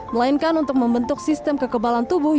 melainkan untuk membentuk sistem kekebalan tubuh